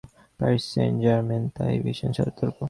Paris Saint Germain তাই ভীষণ সতর্ক।